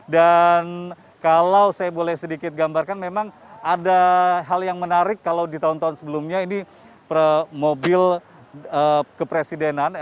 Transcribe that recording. dan kalau saya boleh sedikit gambarkan memang ada hal yang menarik kalau di tahun tahun sebelumnya ini mobil kepresidenan